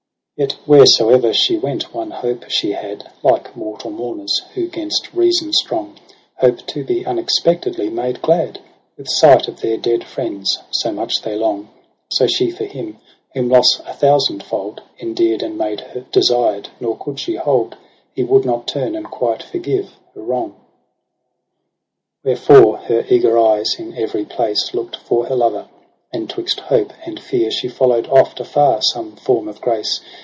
Yet wheresoe'er she went one hope she had ; Like mortal mourners, who 'gainst reason strong Hope to be unexpectedly made glad With sight of their dead friends, so much they long j So she for him, whom loss a thousandfold Endear'd and made desired • nor could she hold He would not turn and quite forgive her wrong. OCTOBER ly^ 3 Wherefore her eager eyes in every place Lookt for her lover j and 'twixt hope and fear She followed oft afar some form of grace.